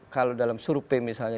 kalau dalam suruh p misalnya